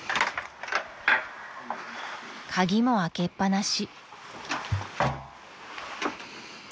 ［鍵も開けっ放し］